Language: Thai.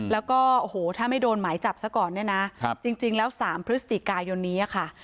แล้วก็โอ้โหถ้าไม่โดนหมายจับซะก่อนเนี่ยนะจริงแล้ว๓พฤศจิกายนนี้ค่ะ